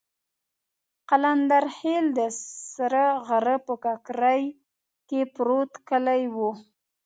قلندرخېل د سره غره په ککرۍ کې پروت کلی وو.